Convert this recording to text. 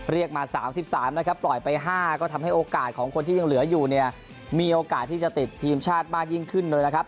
เรียกมา๓๓นะครับปล่อยไป๕ก็ทำให้โอกาสของคนที่ยังเหลืออยู่เนี่ยมีโอกาสที่จะติดทีมชาติมากยิ่งขึ้นเลยนะครับ